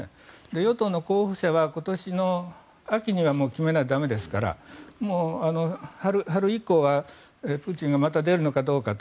与党の候補者は今年の秋にはもう決めないと駄目ですからもう春以降は、プーチンがまた出るのかどうかと。